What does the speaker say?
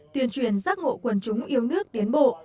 tuyên truyền giác ngộ quần chúng yêu nước tiến bộ